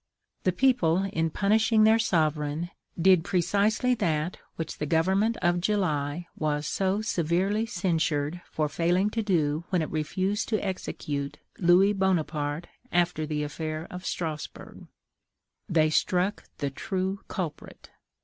The people, in punishing their sovereign, did precisely that which the government of July was so severely censured for failing to do when it refused to execute Louis Bonaparte after the affair of Strasburg: they struck the true culprit.